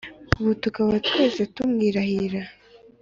ubu tukaba twese tumwirahira.